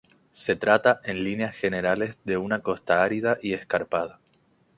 Se trata, en líneas generales de una costa árida y escarpada.